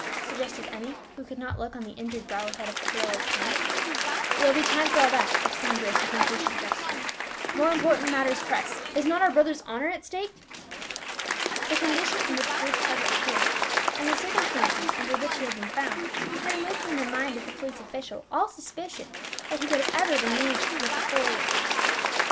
suggested Emmie, who could not look on the injured brow without a thrill of pain. "There will be time for all that," exclaimed Bruce with impatient gesture; "more important matters press, is not our brother's honour at stake?" The condition in which Bruce Trevor appeared, and the circumstances under which he had been found, had removed from the mind of the police official all suspicion that he could ever have been leagued with the forgers.